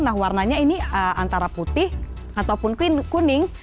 nah warnanya ini antara putih ataupun kuning